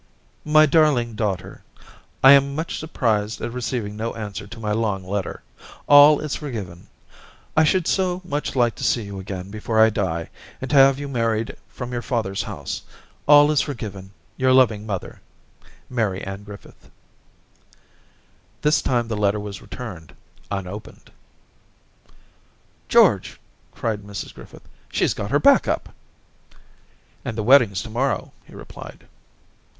'My darling Daughter^ — I am much surprised at receiving no answer to my long letter. All is forgiven. I should so much like to see you again before I die, and to have you married from your father's house. All is forgiven. — Your loving mother y * Mary Ann Griffith.' 262 Orientations This time the letter was returned un opened. * George/ cried Mrs Griffith, *shes got her back up.* ' And the wedding's to morrow/ he replied.